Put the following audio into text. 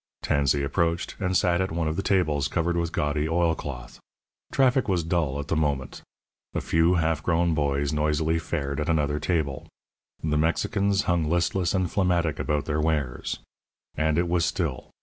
Tansey approached, and sat at one of the tables covered with gaudy oil cloth. Traffic was dull at the moment. A few half grown boys noisily fared at another table; the Mexicans hung listless and phlegmatic about their wares. And it was still.